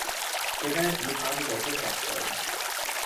সেখানে তিনি পাঁচ বছর কাজ করেন।